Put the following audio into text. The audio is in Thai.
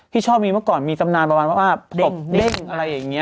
ที่ชอบมีเมื่อก่อนมีสำนาญประมาณว่าพระบบเด้งอะไรอย่างนี้